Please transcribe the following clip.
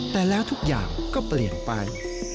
แต่แล้วทุกอย่างก็เปลี่ยนไป